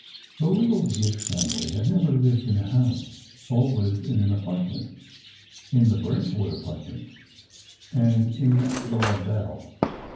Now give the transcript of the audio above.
The little Gish family had never lived in a house, always in an apartment: in the Brentwood Apartments, and in the La Belle.